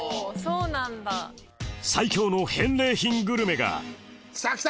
最強の返礼品グルメが来た来た！